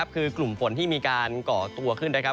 คือกลุ่มฝนที่มีการก่อตัวขึ้นนะครับ